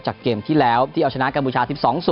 จากเกมที่แล้วที่เอาชนะกับกระบุชา๑๒๐